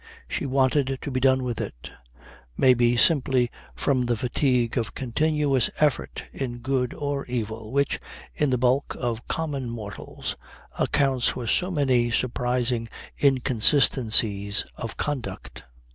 She wanted to be done with it maybe simply from the fatigue of continuous effort in good or evil, which, in the bulk of common mortals, accounts for so many surprising inconsistencies of conduct.